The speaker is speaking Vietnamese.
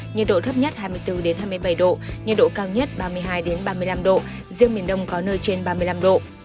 nhiệt độ thấp nhất hai mươi bốn hai mươi bảy độ nhiệt độ cao nhất ba mươi hai ba mươi năm độ riêng miền đông có nơi trên ba mươi năm độ